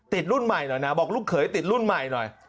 รุ่นใหม่หน่อยนะบอกลูกเขยติดรุ่นใหม่หน่อย